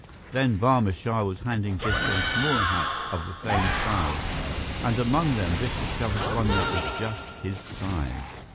Then Barma Shah was handing Biff some smaller hats of the same style, and among them, Biff discovered one that was just his size.